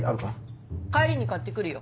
帰りに買ってくるよ。